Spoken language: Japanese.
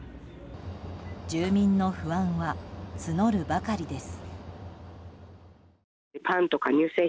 住民の不安は募るばかりです。